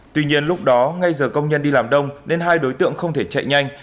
tuy nhiên lúc đó ngay giờ công nhân đi làm đông nên hai đối tượng không thể chạy nhanh